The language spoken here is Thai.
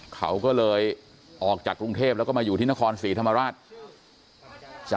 เขาก็เลยออกจากกรุงเทพแล้วก็มาอยู่ที่นครศรีธรรมราช